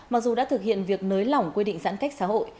mặc dù đã thực hiện việc nới lỏng quy định giãn cách xã hội